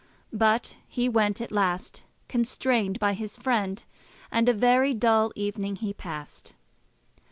But he went at last, constrained by his friend, and a very dull evening he passed.